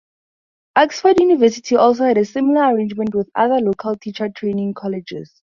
Oxford University also had a similar arrangement with other local teacher training colleges.